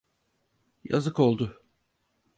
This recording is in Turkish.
Yazık oldu.